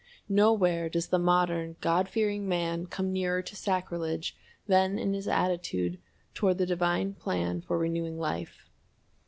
Nowhere does the modern God fearing man come nearer to sacrilege than in his attitude toward the divine plan for renewing life.